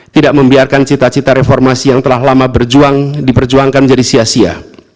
tidak membiarkan cita cita reformasi yang telah lama berjuang diperjuangkan menjadi sia sia